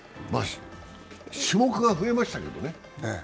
種目が増えましたけどね。